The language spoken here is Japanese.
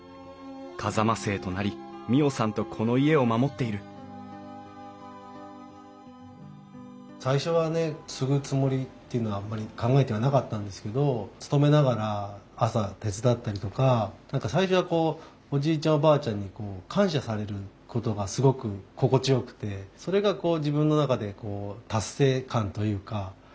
風間姓となり未央さんとこの家を守っている最初はね継ぐつもりっていうのはあんまり考えてはなかったんですけど勤めながら朝手伝ったりとか何か最初はこうおじいちゃんおばあちゃんに感謝されることがすごく心地よくてそれが自分の中で達成感というかあっ農業って面白いなあと。